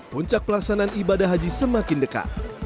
puncak pelaksanaan ibadah haji semakin dekat